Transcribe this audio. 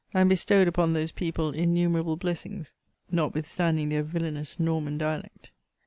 and bestowed upon those people innumerable blessings, notwithstanding their villainous Norman dialect.